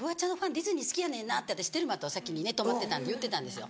ディズニー好きやねんな」って私テルマと先に泊まってたんで言ってたんですよ